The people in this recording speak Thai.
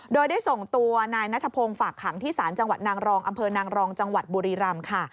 โดยได้ส่งตัวนายนัทพงศ์ฝากขังที่ศาลจังหวัดนางรองอำเภอนางรองจังหวัดบุรีรำค่ะ